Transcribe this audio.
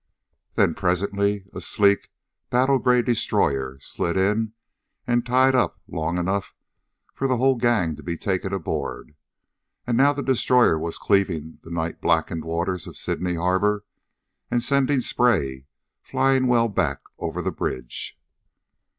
Then presently a sleek, battle grey destroyer slid in and tied up long enough for the whole gang to be taken aboard. And now the destroyer was cleaving the night blackened waters of Sydney Harbor and sending spray flying well back over the bridge.